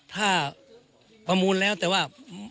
ถ้าประมูลแล้วแต่ว่า